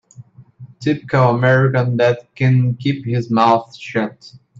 Typical American that can keep his mouth shut.